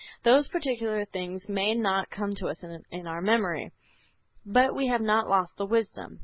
Those particular things may not come to us in our memory, but we have not lost the wisdom.